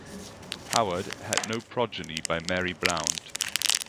Howard had no progeny by Mary Blount.